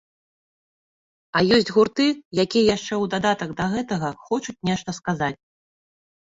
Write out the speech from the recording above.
А ёсць гурты, якія яшчэ, у дадатак да гэтага, хочуць нешта сказаць.